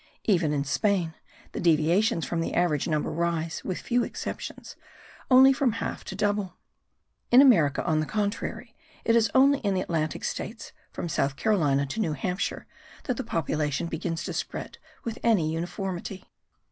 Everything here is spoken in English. Even in Spain the deviations from the average number rise, with few exceptions, only from half to double. In America, on the contrary, it is only in the Atlantic states, from South Carolina to New Hampshire, that the population begins to spread with any uniformity.